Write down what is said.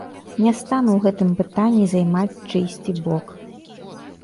Не стану ў гэтым пытанні займаць чыйсьці бок.